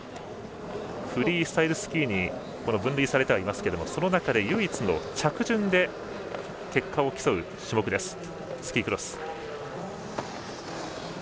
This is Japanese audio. フリースタイルスキーに分類されてはいますがその中で唯一の、着順で結果を競う種目、スキークロス。